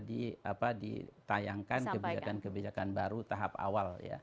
ditayangkan kebijakan kebijakan baru tahap awal